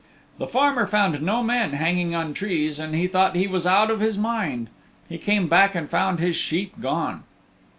The farmer found no men hanging on trees and he thought he was out of his mind. He came back and he found his sheep gone.